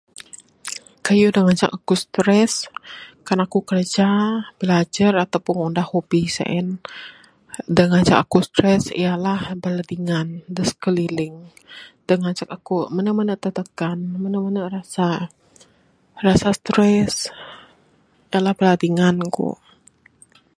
Kayuh da ngancak aku stress, kan aku kraja bilajer ataupun ngundah hobi se'en. Da ngancak aku stress ialah bala dingan da sekeliling, da ngancak aku mene mene tertekan, mene mene rasa ... rasa stress dalam bala dingan ku .